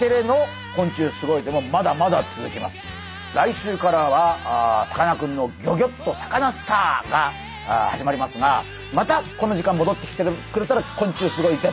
来週からはさかなクンの「ギョギョッとサカナ★スター」が始まりますがまたこの時間もどってきてくれたら「昆虫すごいＺ」。